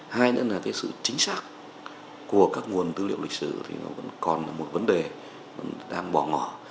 hai nữa là cái sự chính xác của các nguồn tư liệu lịch sử thì nó vẫn còn là một vấn đề đang bỏ ngỏ